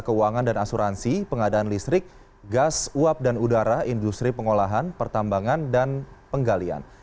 keuangan dan asuransi pengadaan listrik gas uap dan udara industri pengolahan pertambangan dan penggalian